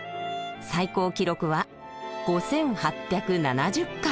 最高記録は５，８７０回。